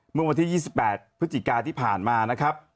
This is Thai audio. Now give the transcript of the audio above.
เมื่อวันที่๒๘พฤศจิกาที่ผ่านมานะครับ